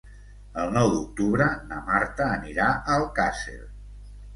El nou d'octubre na Marta anirà a Alcàsser.